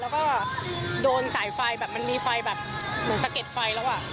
แล้วก็โดนสายไฟแบบมันมีไฟแบบเหมือนสะเก็ดไฟแล้วอ่ะ